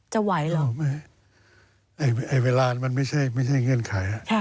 จะไหวเหรออ๋อไม่ไอ้เวลามันไม่ใช่เงื่อนไข